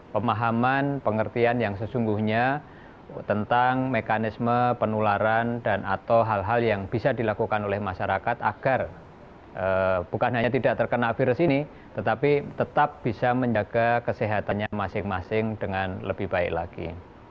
pemahaman pengertian yang sesungguhnya tentang mekanisme penularan dan atau hal hal yang bisa dilakukan oleh masyarakat agar bukan hanya tidak terkena virus ini tetapi tetap bisa menjaga kesehatannya masing masing dengan lebih baik lagi